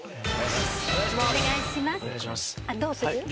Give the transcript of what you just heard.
お願いします。